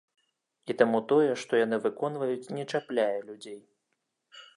І таму тое, што яны выконваюць, не чапляе людзей.